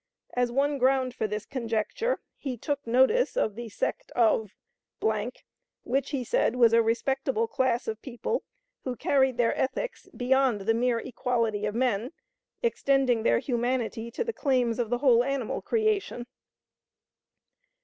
As one ground for this conjecture, he took notice of the sect of , which, he said was a respectable class of people who carried their ethics beyond the mere equality of men, extending their humanity to the claims of the whole animal creation."